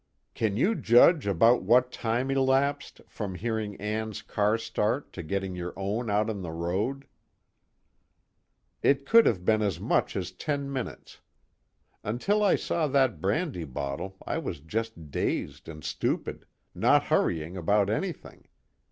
_ "Can you judge about what time elapsed, from hearing Ann's car start to getting your own out on the road?" "It could have been as much as ten minutes. Until I saw that brandy bottle I was just dazed and stupid, not hurrying about anything.